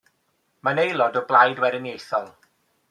Mae'n aelod o Blaid Weriniaethol.